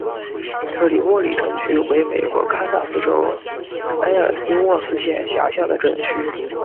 特里沃利镇区为美国堪萨斯州埃尔斯沃思县辖下的镇区。